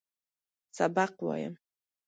سبق وایم.